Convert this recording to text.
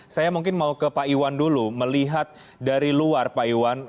saya mungkin mau ke pak iwan dulu melihat dari luar pak iwan